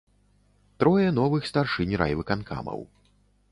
Трое новых старшынь райвыканкамаў.